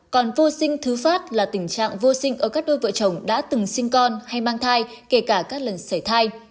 còn vô sinh thứ phát là tình trạng vô sinh ở các đôi vợ chồng đã từng sinh con hay mang thai kể cả các lần xảy thai